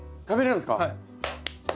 食べれるんですか？